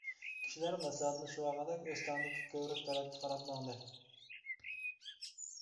كىشىلەر مەسلىھەتلىشىۋالغاندەك ئۆستەڭدىكى كۆۋرۈك تەرەپكە قاراپ ماڭدى.